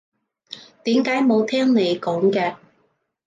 點解冇聽你講嘅？